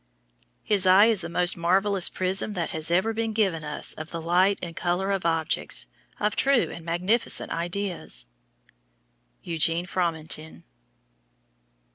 His eye is the most marvellous prism that has ever been given us of the light and color of objects, of true and magnificent ideas. EUGENE FROMENTIN.